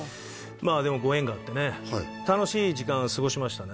まあでもご縁があってね楽しい時間過ごしましたね